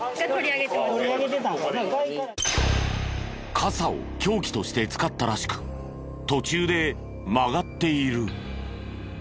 傘を凶器として使ったらしく途中で曲がっている。